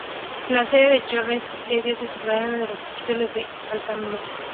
La sede de Charlotte es una Diócesis Sufragánea de la Arquidiócesis de Atlanta.